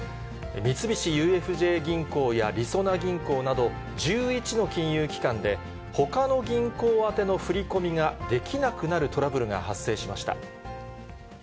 三菱ＵＦＪ銀行やりそな銀行など、１１の金融機関で、ほかの銀行宛ての振り込みができなくなるトラブルが発生しました。